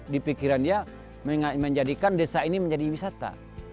di pikiran dia menjadikan desa ini menjadi wisata